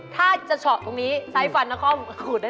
ถ้าจะฉ่อตรงนี้ใส่ฝันนอกข้องปรุงหูได้เลย